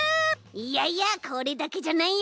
いやいやこれだけじゃないよ。